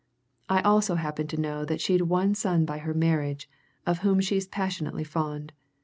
I also happen to know that she'd one son by her marriage, of whom she's passionately fond.